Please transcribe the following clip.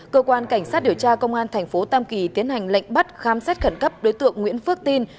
cơ quan cảnh sát điều tra công an thành phố tam kỳ tiến hành lệnh bắt khám xét khẩn cấp đối tượng nguyễn phước tin